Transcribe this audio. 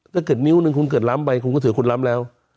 เกิดนิ้วหนึ่งคุณเกิดล้ำไปคุณก็ถือคุณล้ำแล้ว